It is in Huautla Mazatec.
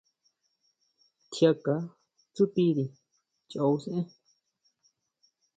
Tjiánka tsutiri choʼo sʼaen.